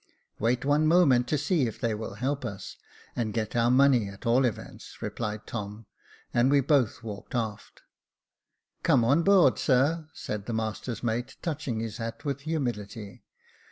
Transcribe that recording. "Wait one moment to see if they will help us — and get our money, at all events," replied Tom : and we both walked aft. '* Come on board, sir," said the master's mate, touching his hat with humility.